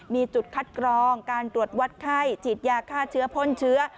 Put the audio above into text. มีจุดคัดกรองการตรวจวัดไข้ฉีดยาฆ่าเชื้อพ่นเชื้อ